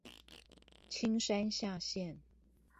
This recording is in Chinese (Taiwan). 青山下線